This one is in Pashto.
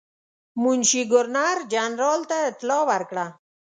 منشي ګورنر جنرال ته اطلاع ورکړه.